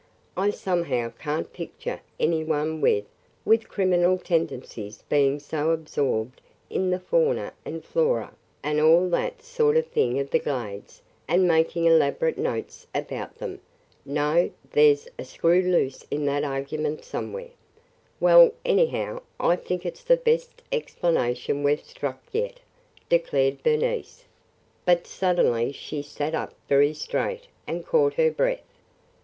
I somehow can't picture any one with – with criminal tendencies being so absorbed in the fauna and flora and all that sort of thing of the Glades and making elaborate notes about them. No, there 's a screw loose in that argument somewhere!" "Well, anyhow, I think it 's the best explanation we 've struck yet," declared Bernice, but suddenly she sat up very straight and caught her breath.